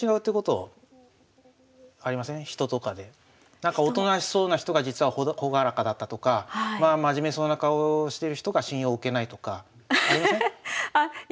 なんかおとなしそうな人が実は朗らかだったとか真面目そうな顔をしてる人が信用置けないとかありません？